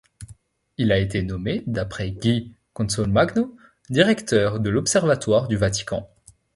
Il a été nommé d'après Guy Consolmagno, directeur de l'Observatoire du Vatican.